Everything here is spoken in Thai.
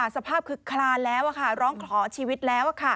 สภาพคือคลานแล้วร้องขอชีวิตแล้ว